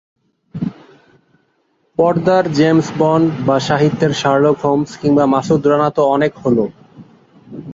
দিল্লি শহর যাত্রীদের ক্রমবর্ধমান চাপ মেটাতে রেল পরিবহনের উপর নির্ভর করে।